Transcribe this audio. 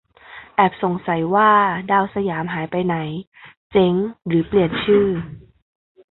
แอบสงสัยว่า ดาวสยาม หายไปไหน เจ๊งหรือเปลี่ยนชื่อ